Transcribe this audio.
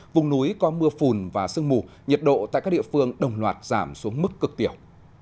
vùng núi có mưa phùn và sương mù nhiệt độ tại các địa phương đồng loạt giảm xuống mức cực tiểu